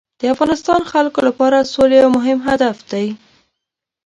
د افغانستان خلکو لپاره سوله یو مهم هدف دی.